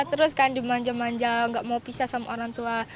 terus kan dimanja manja gak mau pisah sama orang tua